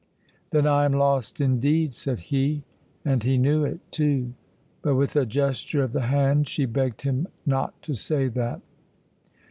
"Then I am lost indeed!" said he, and he knew it, too; but with a gesture of the hand she begged him not to say that.